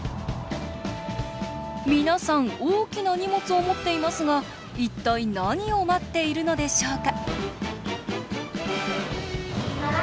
皆さん大きな荷物を持っていますが一体何を待っているのでしょうか